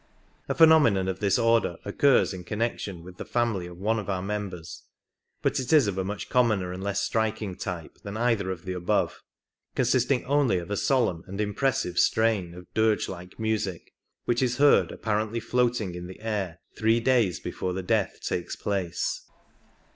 A phenomenon of this order occurs in connection with the family of one of our members, but it is of a much commoner and less striking type than either of the above, consisting only of a solemn and impressive strain of dirge like music, which is heard apparently floating in the air three days be fore the death takes place.